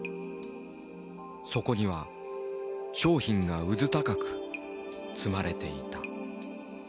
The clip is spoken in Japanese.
そこには商品がうずたかく積まれていた。